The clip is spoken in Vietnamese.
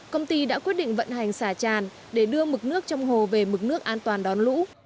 công ty đã quyết định vận hành xả tràn để đưa mực nước trong hồ về mực nước an toàn đón lũ